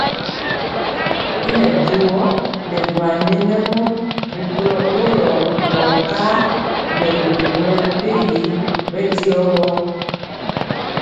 Y nɛ dubɔ nɛ buar nyɛmemɔ rikolo boro nɔ akar nɛ mepempɔ mɛmpegi bɛndiɔ gɔ.